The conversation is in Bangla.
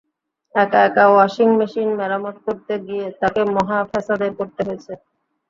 একা একা ওয়াশিং মেশিন মেরামত করতে গিয়ে তাঁকে মহা ফ্যাসাদে পড়তে হয়েছে।